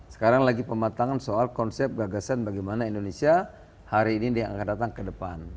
sekarang lagi pematangan soal konsep gagasan bagaimana indonesia hari ini diangkat datang ke depan